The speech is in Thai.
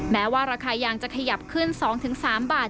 แม้ว่าราคายางจะขยับขึ้น๒๓บาท